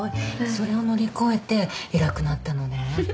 それを乗り越えて偉くなったのね。